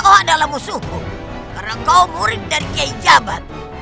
kau adalah musuhku karena kau murid dari kejabat